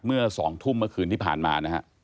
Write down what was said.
เมื่อ๒ทุ่มเมื่อคืนที่ผ่านมานะฮะ